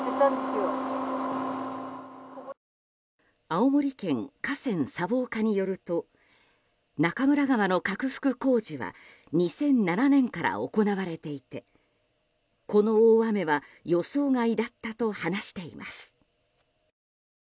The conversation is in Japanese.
青森県河川砂防課によると中村川の拡幅工事は２００７年から行われていてこの大雨は予想外だったと話しています。